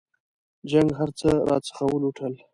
جنګ هرڅه راڅخه ولوټل.